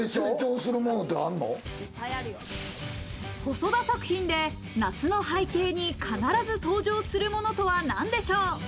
細田作品で夏の背景に必ず登場するものとは何でしょう？